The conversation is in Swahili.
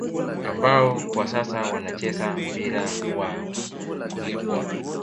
Ambao kwa sasa wanacheza mpira wa kulipwa